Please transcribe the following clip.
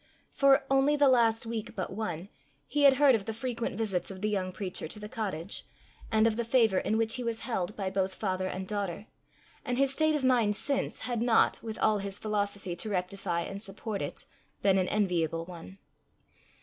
For, only the last week but one, he had heard of the frequent visits of the young preacher to the cottage, and of the favour in which he was held by both father and daughter; and his state of mind since, had not, with all his philosophy to rectify and support it, been an enviable one.